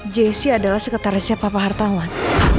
jessy adalah sekretarisnya papa hartawan